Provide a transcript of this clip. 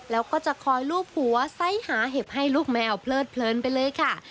แล้วก็จะคอยลูบหัวไซส์หาเห็บให้ลูกแมวเพลิดเพลินไปเลยค่ะ